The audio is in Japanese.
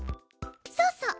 そうそう。